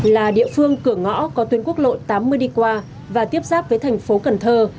là địa phương cửa ngõ có tuyến quốc lộ tám mươi đi qua và tiếp giáp với thành phố cần thơ